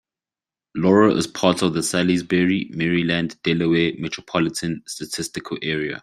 Laurel is part of the Salisbury, Maryland-Delaware Metropolitan Statistical Area.